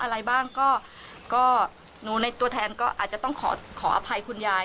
อะไรบ้างก็หนูในตัวแทนก็อาจจะต้องขอขออภัยคุณยาย